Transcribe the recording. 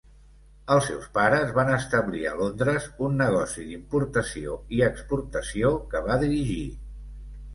Els seus pares van establir a Londres un negoci d'importació i exportació que va dirigir.